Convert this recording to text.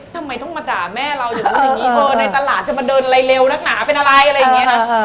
ทำไมต้องมาด่าแม่เราอย่างนี้ในตลาดจะมาเดินอะไรเร็วนักหนาเป็นอะไรอะไรอย่างนี้นะ